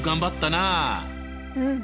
うん。